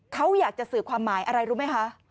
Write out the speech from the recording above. เขาอยากจะสื่อความหมายอะไรรู้ไหมคะ